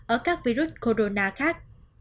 ở các virus corona khác